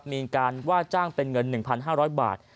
มีการว่าจ้างเป็นเงิน๑๕๐๐บาท